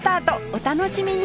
お楽しみに